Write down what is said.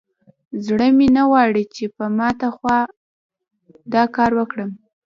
زړه مې نه غواړي چې په ماته خوا دا کار وکړم.